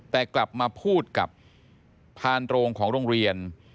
แต่กลับมาพูดกับพานโรงของโรงเรียน